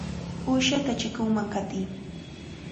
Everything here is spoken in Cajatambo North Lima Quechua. ¡Uyshata chikunman qatiy!